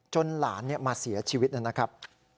จนหลานมาเสียชีวิตนั้นนะครับ